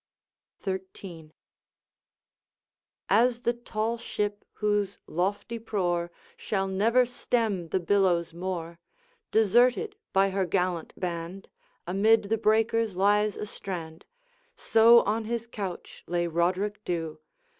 XIII. As the tall ship, whose lofty prore Shall never stem the billows more, Deserted by her gallant band, Amid the breakers lies astrand, So on his couch lay Roderick Dhu!